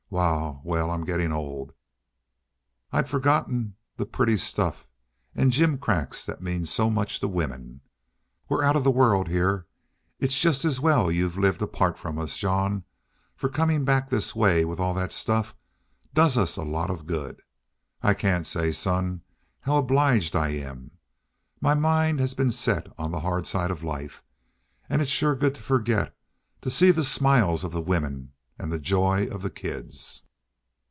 Wal, wal, I'm gettin' old. I'd forgotten the pretty stuff an' gimcracks that mean so much to women. We're out of the world heah. It's just as well you've lived apart from us, Jean, for comin' back this way, with all that stuff, does us a lot of good. I cain't say, son, how obliged I am. My mind has been set on the hard side of life. An' it's shore good to forget to see the smiles of the women an' the joy of the kids."